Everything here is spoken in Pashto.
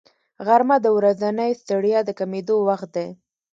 غرمه د ورځنۍ ستړیا د کمېدو وخت دی